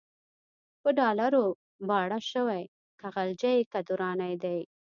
په ډالرو باړه شوی، که غلجی که درانی دی